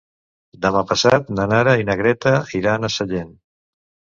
Demà passat na Nara i na Greta iran a Sallent.